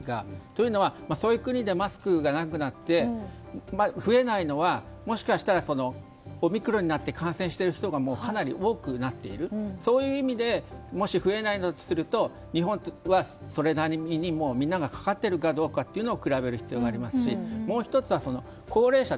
というのは、そういう国でマスクがなくなって増えないのはもしかしたらオミクロンになって感染している人がかなり多くなっているそういう意味でもし増えないのだとすると日本はそれなりにみんながかかっているかどうか比べる必要がありますしもう１つは高齢者。